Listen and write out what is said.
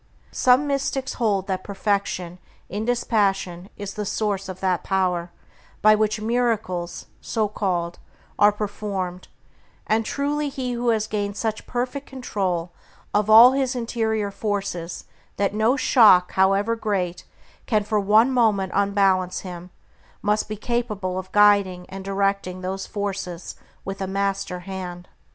Some mystics hold that perfection in dispassion is the source of that power by which miracles (so called) are performed, and truly he who has gained such perfect control of all his interior forces that no shock, however great, can for one moment unbalance him, must be capable of guiding and directing those forces with a master hand.